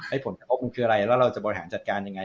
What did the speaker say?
ผลกระทบมันคืออะไรแล้วเราจะบริหารจัดการยังไง